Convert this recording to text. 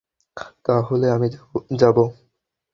তা হলে আমি যাব।